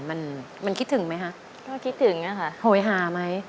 มันมันคิดถึงไหมคะก็คิดถึงอะค่ะโหยหาไหม